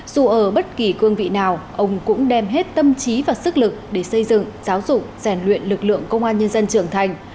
dù ở bất kỳ cương vị nào ông cũng đem hết tâm trí và sức lực để xây dựng giáo dục rèn luyện lực lượng công an nhân dân trưởng thành